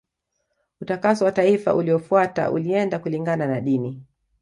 Utakaso wa taifa uliofuata ulienda kulingana na dini